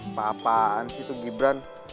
apa apaan sih itu ibran